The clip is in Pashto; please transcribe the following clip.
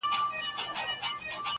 د سلگيو ږغ يې ماته را رسيږي_